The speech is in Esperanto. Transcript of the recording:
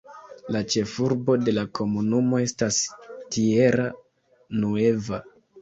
La ĉefurbo de la komunumo estas Tierra Nueva.